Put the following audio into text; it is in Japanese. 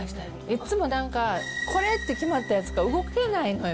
いっつもなんか、これって決まったやつから動けないのよ。